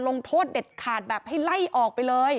ลงโทษเด็ดขาดแบบให้ไล่ออกไปเลย